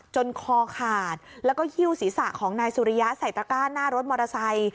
คอขาดแล้วก็หิ้วศีรษะของนายสุริยะใส่ตระก้าหน้ารถมอเตอร์ไซค์